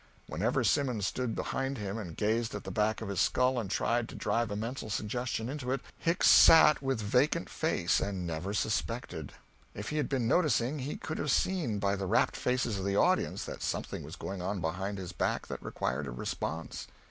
Whenever Simmons stood behind him and gazed at the back of his skull and tried to drive a mental suggestion into it, Hicks sat with vacant face, and never suspected. If he had been noticing, he could have seen by the rapt faces of the audience that something was going on behind his back that required a response.